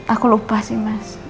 aku lupa sih mas